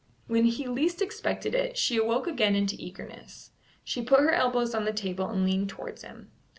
When he least expected it, she awoke again into eagerness; she put her elbows on the table and leaned towards him.